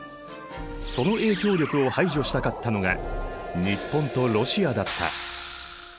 その影響力を排除したかったのが日本とロシアだった。